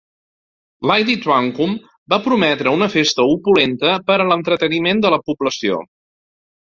Lady Twankum va prometre una festa opulenta per a l'entreteniment de la població.